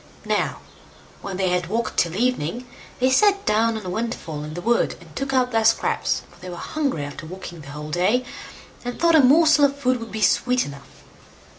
Now, when they had walked till evening, they sat down on a windfall in the wood, and took out their scraps, for they were hungry after walking the whole day, and thought a morsel of food would be sweet enough.